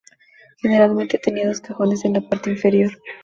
Generalmente tenía dos cajones en la parte inferior.